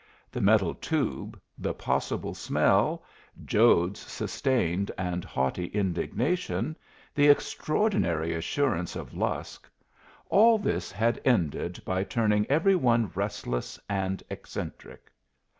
The metal tube, the possible smell, Jode's sustained and haughty indignation, the extraordinary assurance of Lusk, all this had ended by turning every one restless and eccentric.